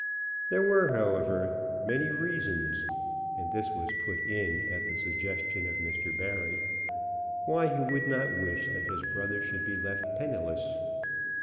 There were, however, many reasons, and this was put in at the suggestion of Mr. Barry, why he would not wish that his brother should be left penniless.